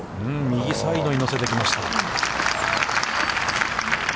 右サイドに乗せてきました。